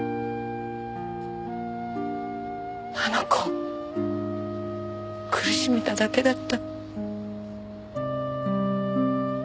あの子を苦しめただけだった。